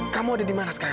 kamu ada dimana sekarang